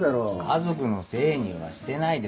家族のせいにはしてないです。